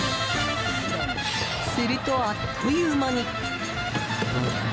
すると、あっという間に。